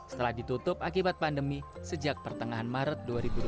setelah ditutup akibat pandemi sejak pertengahan maret dua ribu dua puluh